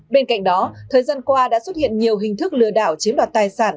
bên cạnh đó thời gian qua đã xuất hiện nhiều hình thức lừa đảo chiếm đoạt tài sản